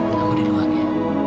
kamu di luar ya